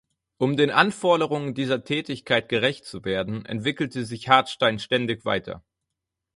Um den Anforderungen dieser Tätigkeit gerecht zu werden, entwickelte sich Hartstein ständig weiter.